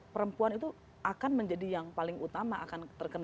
perempuan itu akan menjadi yang paling utama akan terkena